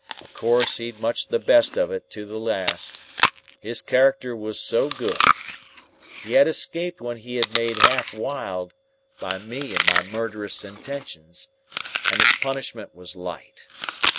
"Of course he'd much the best of it to the last,—his character was so good. He had escaped when he was made half wild by me and my murderous intentions; and his punishment was light.